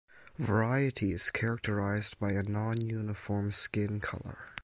Variety is characterized by a non-uniform skin color.